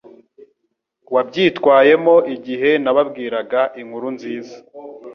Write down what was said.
wabyitwayemo igihe nababwiraga inkuru nziza